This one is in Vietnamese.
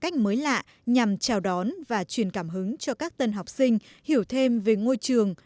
cách mới lạ nhằm chào đón và truyền cảm hứng cho các tân học sinh hiểu thêm về ngôi trường